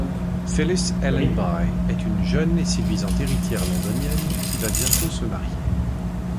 Phyllis Allenby est une jeune et séduisante héritière londonienne qui va bientôt se marier.